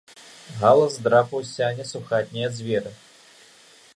Галас драпаў з сянец у хатнія дзверы.